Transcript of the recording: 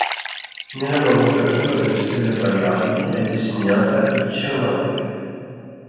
Nella nomenclatura delle stelle variabili, è designata Y Aquilae.